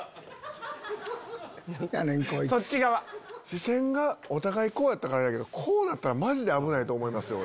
視線がお互いこうやったからあれやけどこうなったらマジで危ないと思いますよ。